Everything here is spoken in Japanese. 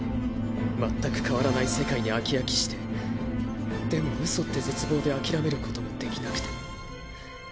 「まったく変わらない世界に飽き飽きしてでも嘘って絶望で諦めることもできなくて」